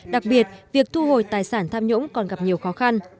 đặc biệt việc thu hồi tài sản tham nhũng còn gặp nhiều khó khăn